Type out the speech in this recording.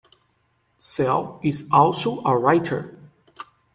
Cehl is also a writer.